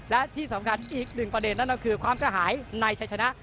และที่สำคัญอีกหนึ่งประเด็นนั่นก็คือความกระหายในชัยชนะ